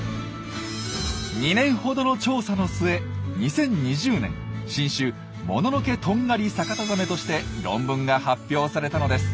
２年ほどの調査の末２０２０年新種「モノノケトンガリサカタザメ」として論文が発表されたのです。